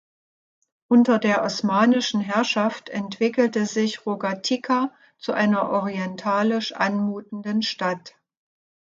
Unter der osmanischen Herrschaft entwickelte sich Rogatica zu einer orientalisch anmutenden Stadt.